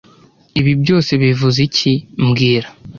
Ibi byose bivuze iki mbwira